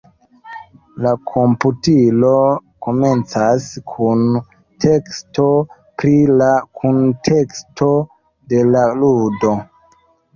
La komputilo komencas kun teksto pri la kunteksto de la ludo.